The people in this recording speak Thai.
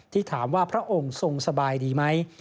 ที่ถามว่าพระองค์ทรงสบายดีไหม